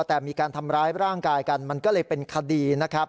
แต่มีการทำร้ายร่างกายกันมันก็เลยเป็นคดีนะครับ